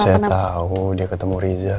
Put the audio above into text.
saya tahu dia ketemu riza